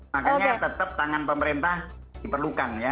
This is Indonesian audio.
makanya tetap tangan pemerintah diperlukan ya